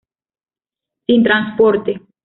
Sin transporte.